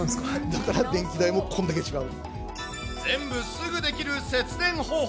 だから、電気代もこんだけ違全部すぐできる節電方法。